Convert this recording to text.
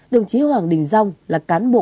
đồng chí hoàng đình dông là cán bộ